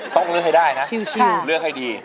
ต้องเลือกให้ได้นะชิลเลือกให้ดี